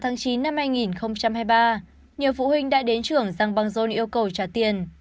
năm hai nghìn hai mươi ba nhiều phụ huynh đã đến trường giăng băng rôn yêu cầu trả tiền